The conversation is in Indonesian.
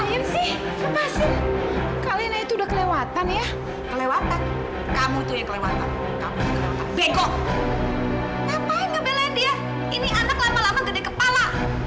ngapain ngebelain dia ini anak lama lama gede kepala